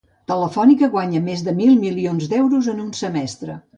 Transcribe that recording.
Telefònica guanya més de mil milions d'euros en un semestre